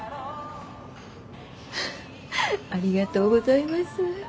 ありがとうございます。